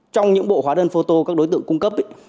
trong những bộ hóa đơn photo các đối tượng cung cấp